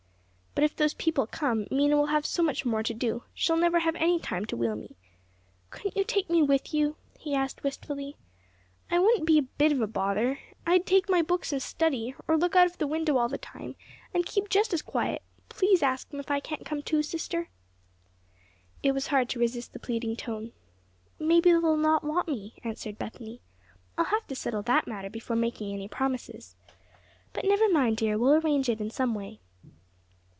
"But if those people come, Mena will have so much more to do, she'll never have any time to wheel me. Couldn't you take me with you?" he asked, wistfully. "I wouldn't be a bit of bother. I'd take my books and study, or look out of the window all the time, and keep just as quiet! Please ask 'em if I can't come too, sister!" It was hard to resist the pleading tone. "Maybe they'll not want me," answered Bethany. "I'll have to settle that matter before making any promises. But never mind, dear, we'll arrange it in some way."